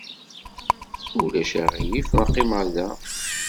Ulac aɣilif ma qqimeɣ da?